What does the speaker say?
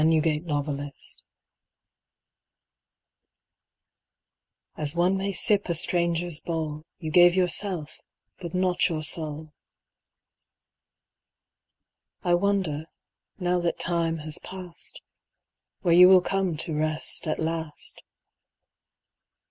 Song of Khan Zada As one may sip a Stranger's Bowl You gave yourself but not your soul. I wonder, now that time has passed, Where you will come to rest at last.